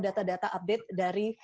data data update dari